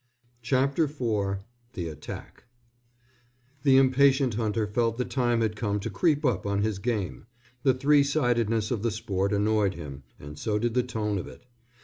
CHAPTER IV THE ATTACK The impatient hunter felt the time had come to creep up on his game. The three sidedness of the sport annoyed him, and so did the tone of it.